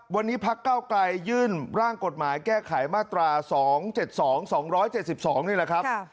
วันนี้พักเก้าไกลยื่นร่างกฎหมายแก้ไขมาตรา๒๗๒๒๗๒นี่แหละครับ